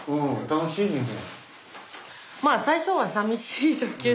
楽しい？日本。